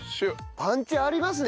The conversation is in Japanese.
パンチありますね！